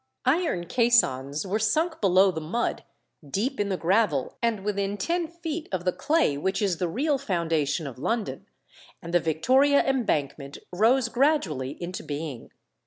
Iron caissons were sunk below the mud, deep in the gravel, and within ten feet of the clay which is the real foundation of London, and the Victoria Embankment rose gradually into being.